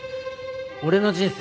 俺の人生